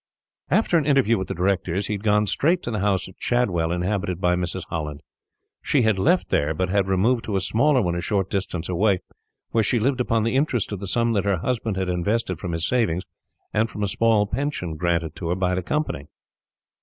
After an interview with the Directors, he had gone straight to the house at Shadwell inhabited by Mrs. Holland. She had left there, but had removed to a smaller one a short distance away, where she lived upon the interest of the sum that her husband had invested from his savings, and from a small pension granted to her by the Company.